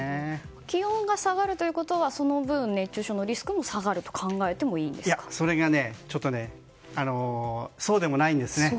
気温が下がるということはその分、熱中症のリスクがそれがちょっとそうでもないんです。